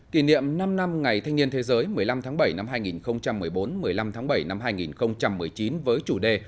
kỷ niệm năm năm ngày thanh niên thế giới một mươi năm tháng bảy năm hai nghìn một mươi bốn một mươi năm tháng bảy năm hai nghìn một mươi chín với chủ đề